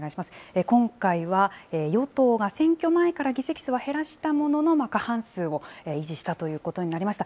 今回は与党が選挙前から議席数は減らしたものの、過半数を維持したということになりました。